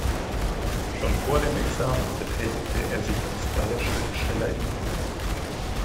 Schon vor dem Examen betätigte er sich als freier Schriftsteller in Wien.